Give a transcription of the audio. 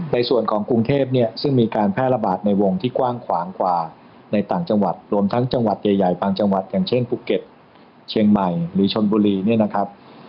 ในส่วนของกรุงเทพเนี่ยซึ่งมีการแพร่ระบาดในวงที่กว้างขวางกว่าในต่างจังหวัดรวมทั้งจังหวัดใหญ่บางจังหวัดอย่างเช่นภูเก็ตเชียงใหม่หรือชนบุรีเนี่ยนะครับ